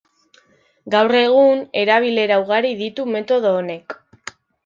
Gaur egun, erabilera ugari ditu metodo honek.